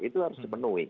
itu harus dipenuhi